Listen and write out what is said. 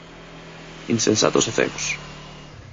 Insensatos e cegos!